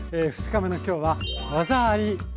２日目の今日は「技あり！洋風」